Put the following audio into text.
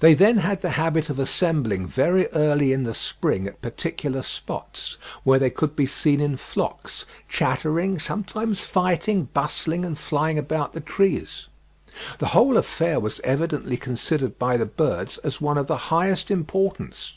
They then had the habit of assembling very early in the spring at particular spots, where they could be seen in flocks, chattering, sometimes fighting, bustling and flying about the trees. The whole affair was evidently considered by the birds as one of the highest importance.